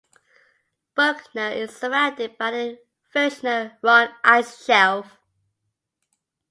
Berkner is surrounded by the Filchner-Ronne Ice Shelf.